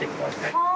はい。